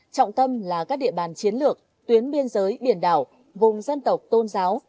trọng tâm là các địa bàn chiến lược tuyến biên giới biển đảo vùng dân tộc tôn giáo